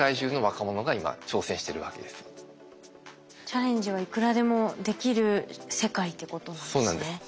チャレンジはいくらでもできる世界ってことなんですね。